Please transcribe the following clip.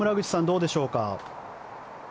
どうでしょうか。